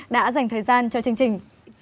đã dành thời gian cho chương trình